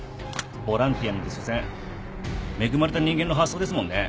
ボランティアなんて所詮恵まれた人間の発想ですもんね。